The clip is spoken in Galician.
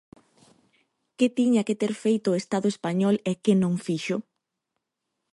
Que tiña que ter feito o Estado español e que non fixo?